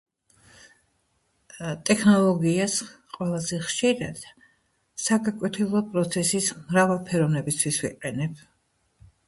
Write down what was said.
ტექნოლოგიას ყველაზე ხშირად საგაკვეთილო პროცესის მრავალფეროვნებისთვის ვიყენებ.